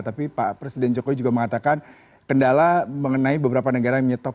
tapi pak presiden jokowi juga mengatakan kendala mengenai beberapa negara yang menyetop